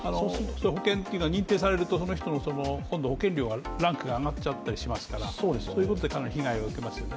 保険というのは認定されると、今度はその人の保険のランクが上がっちゃったりしますからそういうことでかなり被害がありますよね。